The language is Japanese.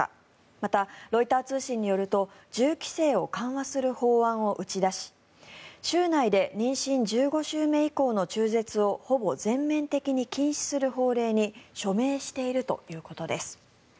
また、ロイター通信によると銃規制を緩和する法案を打ち出し州内で妊娠１５週目以降の中絶をほぼ全面的に禁止する法令に署名しているということです。